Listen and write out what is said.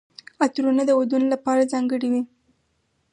عطرونه د ودونو لپاره ځانګړي وي.